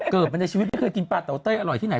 เกิดมาในชีวิตไม่เคยกินปลาเตาเต้ยอร่อยที่ไหน